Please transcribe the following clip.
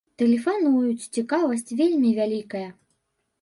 Тэлефануюць, цікавасць вельмі вялікая.